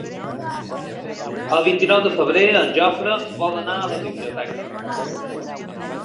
El vint-i-nou de febrer en Jofre vol anar a la biblioteca.